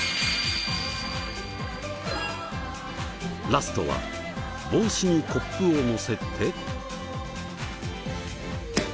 ラストは帽子にコップをのせて。